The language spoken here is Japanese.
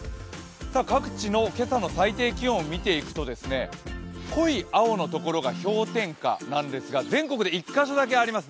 各地の今朝の最低気温を見ていくと濃い青のところが氷点下なんですが全国で１か所だけあります。